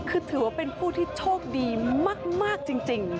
คือถือว่าเป็นผู้ที่โชคดีมากจริง